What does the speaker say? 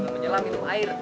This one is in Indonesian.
menyelam hitam air